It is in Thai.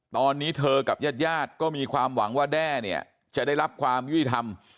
ตอนนี้เธอกับญาติญาติก็มีความหวังว่าแด้เนี่ยจะได้รับความยุติธรรม